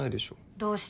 どうして？